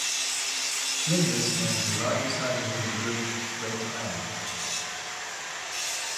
Flinders named the largest island in the group "Great Island".